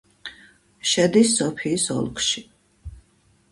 შედის სოფიის ოლქში.